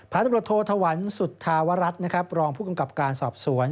พศธวรรณสุธาวรัฐรองผู้กำกับการสอบสวน